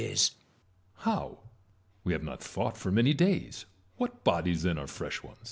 Metellus. How 1 We have not fought for many days ;' what bodies, then, are fresh ones